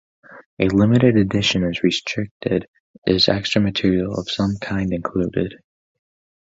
A limited edition is restricted is extra material of some kind included.